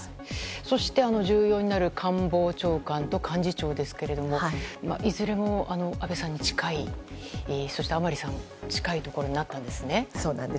そして重要になる官房長官と幹事長ですがいずれも安倍さんに近いそして甘利さん近いところになったんですね。